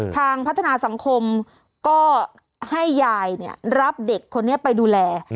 ทางพัฒนาสังคมก็ให้ยายรับเด็กคนนี้ไปดูแล